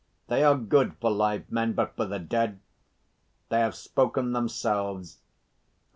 They are good for live men, but for the dead. ... They have spoken Themselves.